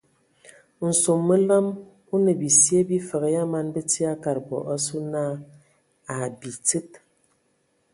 Nsom məlam o nə bisye bifəg ya man bəti a kad bɔ asu na abitsid.